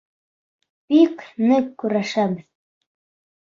Бик ныҡ көрәшәбеҙ.